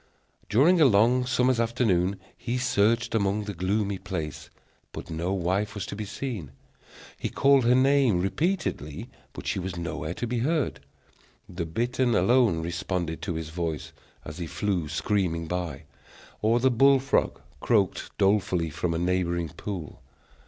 During a long summer's afternoon he searched about the gloomy place, but no wife was to be seen. He called her name repeatedly, but she was nowhere to be heard. The bittern alone responded to his voice, as he flew screaming by; or the bull frog croaked dolefully from a neighboring pool.